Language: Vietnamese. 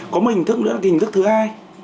có một hình thức nữa là cái hình thức thứ hai